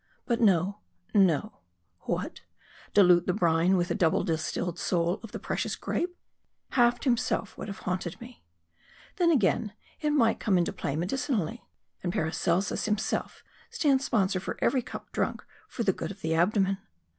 But no, no : What : dilute the brine with the double distilled soul of the precious grape ? Hafiz himself would have haunted me ! Then again, it might come into play medicinally ; and Paracelsus himself stands sponsor for every cup drunk for the good of the abdomen.